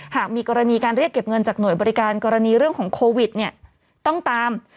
หากมีกรณีการเรียกเก็บเงินจากหน่วยบริการกรณีเรื่องของโควิดเนี่ยต้องตาม